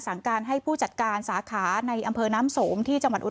สั่งการให้ผู้จัดการสาขาในอำเภอน้ำสมที่จังหวัดอุท